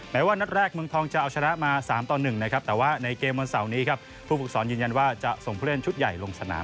แม้ว่านัดแรกเมืองทองจะเอาชนะมา๓ต่อ๑แต่ว่าในเกมวันเสาร์นี้ผู้ฟุกศรยืนยันว่าจะส่งเพื่อนชุดใหญ่ลงสนาม